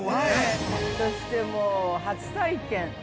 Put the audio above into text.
そして、もう初体験。